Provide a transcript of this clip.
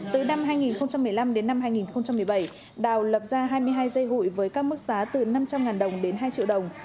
từ năm hai nghìn một mươi năm đến năm hai nghìn một mươi bảy đào lập ra hai mươi hai dây hụi với các mức giá từ năm trăm linh đồng đến hai triệu đồng